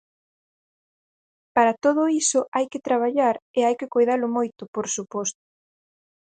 Para todo iso hai que traballar e hai que coidalo moito, por suposto.